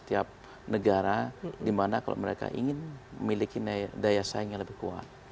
setiap negara di mana kalau mereka ingin memiliki daya saing yang lebih kuat